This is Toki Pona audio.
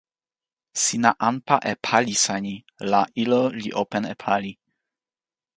sina anpa e palisa ni la ilo li open e pali.